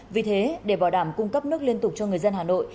vì thế để bảo đảm cung cấp nước liên tục cho người dân hà nội